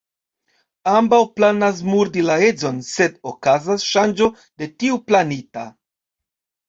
Ambaŭ planas murdi la edzon, sed okazas ŝanĝo de tio planita.